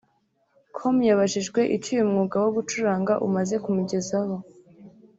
com yabajijwe icyo uyu mwuga wo gucuranga umaze kumugezaho